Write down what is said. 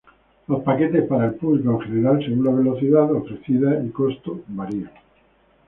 Los paquetes para el público en general, según la velocidad ofrecida y costo varian.